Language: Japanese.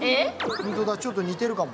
ホントだちょっと似てるかも。